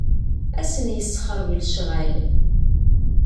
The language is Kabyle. Ad asen-yessexreb lecɣal.